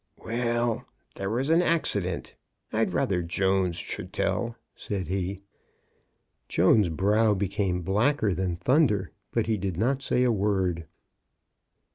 "Well, there was an accident. I'd rather Jones should tell," said he. Jones's brow became blacker than thunder, but he did not say a word.